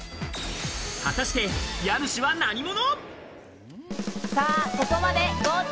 果たして家主は何者？